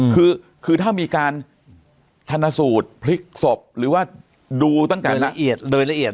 คือคือถ้ามีการชนะสูตรพลิกศพหรือว่าดูตั้งแต่ละเอียดโดยละเอียด